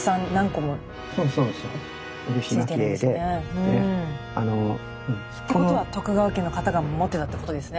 ついてますね。ってことは徳川家の方が持ってたってことですね。